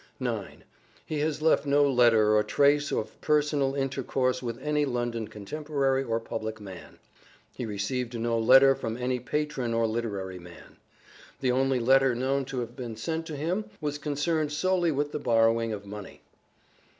9. He has left no letter or trace of personal inter course with any London contemporary or public man. He received no letter from any patron or literary man. The only letter known to have been sent to him was concerned solely with the borrowing of money.